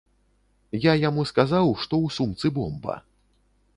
Я яму сказаў, што ў сумцы бомба.